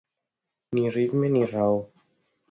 Ni ritme ni raó